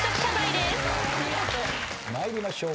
参りましょう。